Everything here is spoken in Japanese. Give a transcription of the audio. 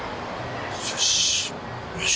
よしよし。